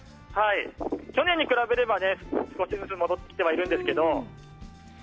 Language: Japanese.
去年に比べれば少しずつ戻ってきてるんですけど。